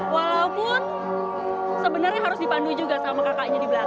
walaupun sebenarnya harus dipandu juga sama kakaknya di belakang